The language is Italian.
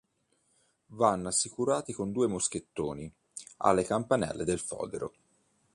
Vanno assicurati con due moschettoni alle campanelle del fodero.